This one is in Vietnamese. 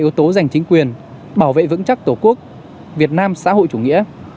còn là yếu tố giành chính quyền bảo vệ vững chắc tổ quốc việt nam xã hội chủ nghĩa